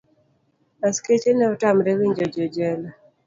askeche ne otamre winjo jojela.